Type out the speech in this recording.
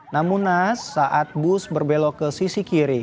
namunas saat bus berbelok ke sisi kiri